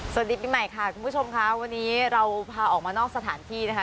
สวัสดีปีใหม่ค่ะคุณผู้ชมค่ะวันนี้เราพาออกมานอกสถานที่นะคะ